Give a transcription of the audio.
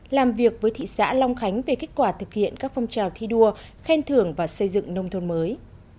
làm việc với thị xã long khánh về kết quả thực hiện các phong trào thi đua khen thưởng và xây dựng nông thôn mới